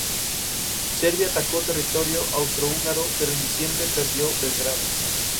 Serbia atacó territorio austrohúngaro, pero en diciembre perdió Belgrado.